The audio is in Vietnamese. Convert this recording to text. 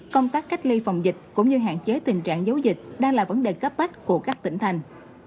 công tác cách ly phòng dịch cũng như hạn chế tình trạng giấu dịch đang là vấn đề cấp bách của các tỉnh thành